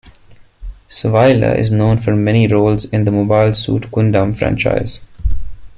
Swaile is known for many roles in the "Mobile Suit Gundam" franchise.